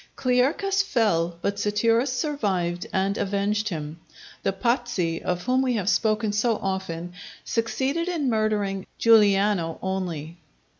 Clearchus fell, but Satirus survived and avenged him. The Pazzi, of whom we have spoken so often, succeeded in murdering Giuliano only.